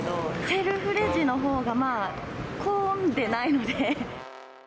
セルフレジのほうが混んでないので。